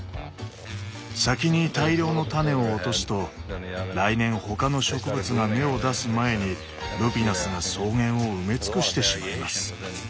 先に大量の種を落とすと来年他の植物が芽を出す前にルピナスが草原を埋め尽くしてしまいます。